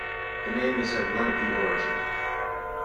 The name is of Lenape origin.